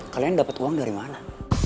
kalian dapat uang dari mana